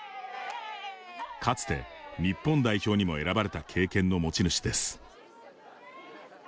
かつて日本代表にも選ばれた経験の持ち主です。